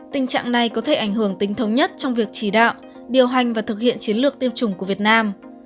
tình trạng này có thể ảnh hưởng tính thống nhất trong việc chỉ đạo điều hành và thực hiện chiến lược tiêm chủng của việt nam